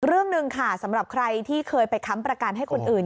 เรื่องหนึ่งค่ะสำหรับใครที่เคยไปค้ำประกันให้คนอื่น